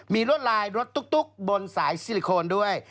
มีรวดลายรถตุ๊กบนสายซิลิโคนด้วย